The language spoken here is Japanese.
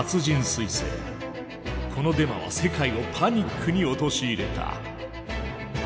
このデマは世界をパニックに陥れた。